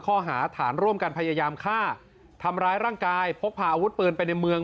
ข้อหาฐานร่วมกันพยายามฆ่าทำร้ายร่างกายพกพาอาวุธปืนไปในเมือง